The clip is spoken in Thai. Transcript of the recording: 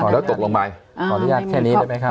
แล้วตกลงไปขออนุญาตแค่นี้ได้ไหมครับ